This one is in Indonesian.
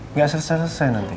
nggak selesai selesai nanti